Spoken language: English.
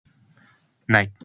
night